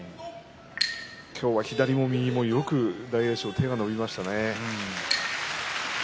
今日は、左も右もよく大栄翔、手が伸びましたね。